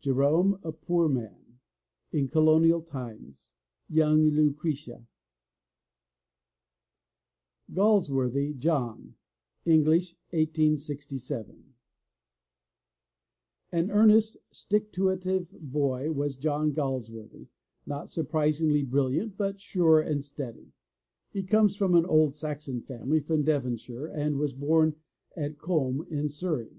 Jerome, A Poor Man In Colonial Times Young Lucretia GALS WORTHY, JOHN (English, 1867 ) N earnest, stick to it ive boy was John Gals worthy, not surprisingly brilliant, but sure and steady. He comes of an old Saxon family from Dev onshire and was bom at Combe in Surrey.